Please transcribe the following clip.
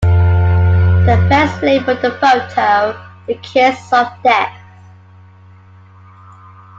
The press labeled the photo "The Kiss of Death".